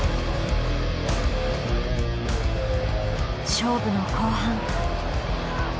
勝負の後半。